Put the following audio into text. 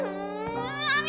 kalau begitu tak banyak lagi